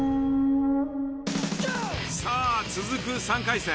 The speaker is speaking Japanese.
さあ続く３回戦。